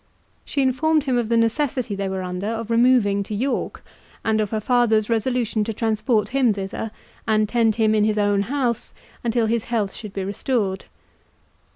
She informed him of the necessity they were under of removing to York, and of her father's resolution to transport him thither, and tend him in his own house until his health should be restored.